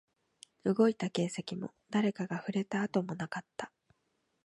動いた形跡も、誰かが触れた跡もなかった